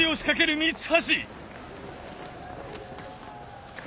三橋！